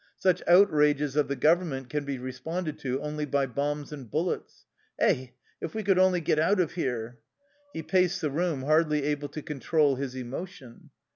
Such outrages of the Government can be responded to only by bombs and bullets. Eh, if we could only get out of here !" He paced the room, hardly able to control his emotion.